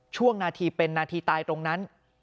ช่วงนาทีเป็นนาทีตายตรงนั้น